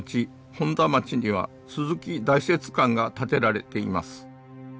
本多町には鈴木大拙館が建てられています。